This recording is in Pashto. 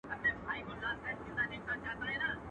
تاریخ د ملتونو ویاړ ساتي